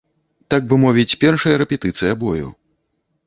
Так бы мовіць першая рэпетыцыя бою.